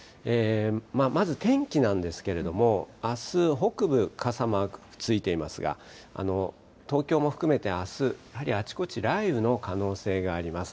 まず天気なんですけれども、あす北部、傘マークついていますが、東京も含めてあす、やはりあちこち雷雨の可能性があります。